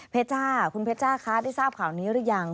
จ้าคุณเพชจ้าคะได้ทราบข่าวนี้หรือยัง